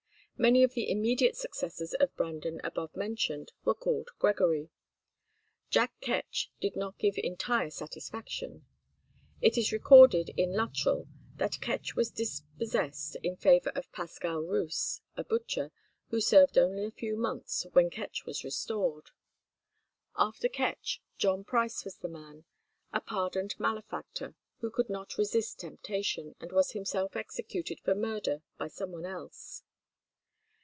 Many of the immediate successors of Brandon above mentioned were called Gregory. Jack Ketch did not give entire satisfaction. It is recorded in Luttrell that Ketch was dispossessed in favour of Pascal Roose, a butcher, who served only a few months, when Ketch was restored. After Ketch, John Price was the man, a pardoned malefactor, who could not resist temptation, and was himself executed for murder by some one else.